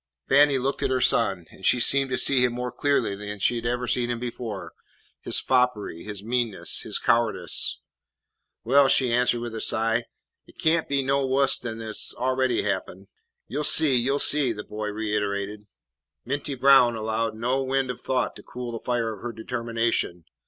Fannie looked at her son, and she seemed to see him more clearly than she had ever seen him before, his foppery, his meanness, his cowardice. "Well," she answered with a sigh, "it can't be no wuss den what 's already happened." "You 'll see, you 'll see," the boy reiterated. Minty Brown allowed no wind of thought to cool the fire of her determination.